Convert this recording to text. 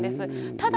ただ、